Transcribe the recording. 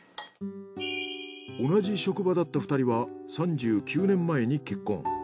同じ職場だった２人は３９年前に結婚。